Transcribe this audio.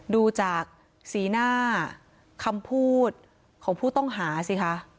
ดูจากสีหน้าคำพูดของผู้ต้องหาสิคะ